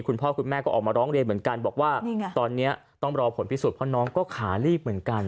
คุณพ่อคุณแม่ก็ออกมาร้องเรียนเหมือนกันบอกว่าตอนนี้ต้องรอผลพิสูจนเพราะน้องก็ขาลีบเหมือนกัน